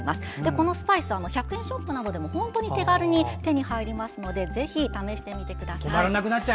このスパイスは１００円ショップでも本当に手軽に手に入りますのでぜひ試してみてください。